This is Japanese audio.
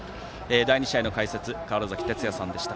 第２試合の解説は川原崎哲也さんでした。